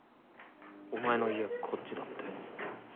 お前の家こっちだって。